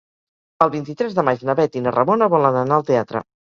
El vint-i-tres de maig na Bet i na Ramona volen anar al teatre.